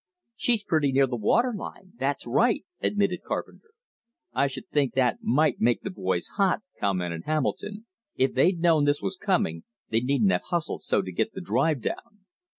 "She's pretty near the water line, that's right," admitted Carpenter. "I should think that might make the boys hot," commented Hamilton. "If they'd known this was coming, they needn't have hustled so to get the drive down.